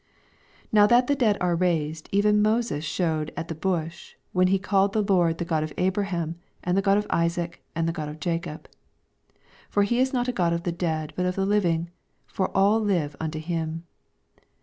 37 Now that tbe dead are raised, even Moses shewed at the buslu when he calleth the Lord the God of Abra ham, and the God of Isaac, and tlM God of Jacob. 88 For he is not a God of the dead, but of the living : for all live unto him.